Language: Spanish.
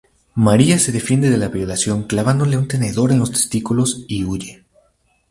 María se defiende de la violación clavándole un tenedor en los testículos y huye.